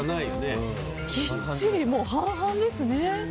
きっちり半々です。